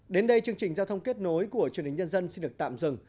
đến đây chương trình giao thông kết nối của truyền hình nhân dân xin được tạm dừng